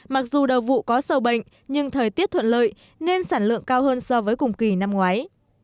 mặc dù đầu vụ có sầu bệnh nhưng thời tiết thuận lợi nên sản lượng cao hơn so với cùng kỳ năm ngoái